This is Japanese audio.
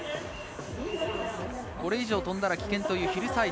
これ以上飛んだら危険というヒルサイズ。